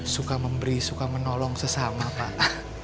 suka memberi suka menolong sesama pak